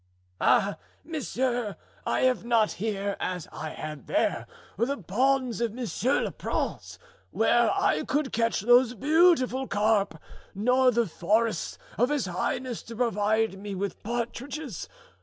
"Ah, monsieur, I have not here, as I had there, the ponds of monsieur le prince, where I could catch those beautiful carp, nor the forests of his highness to provide me with partridges.